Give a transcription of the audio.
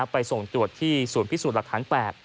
ไปส่งตรวจที่ศูนย์พิสูจน์หลักฐาน๘